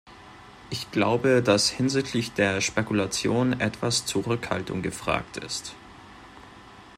Ich glaube, dass hinsichtlich der Spekulation etwas Zurückhaltung gefragt ist.